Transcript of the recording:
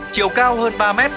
chiều cao hơn ba m